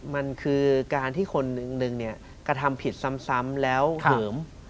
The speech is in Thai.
มันคือการที่คนหนึ่งกระทำผิดซ้ำแล้วเหิม